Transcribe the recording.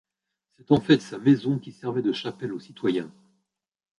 C’est en fait sa maison qui servait de chapelle aux citoyens.